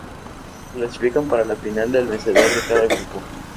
Clasifican para la final el vencedor de cada grupo.